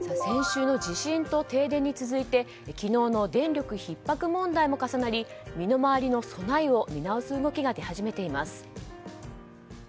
先週の地震と停電に続いて昨日の電力ひっ迫問題も重なり身の回りの備えを見直す動きが出始めています。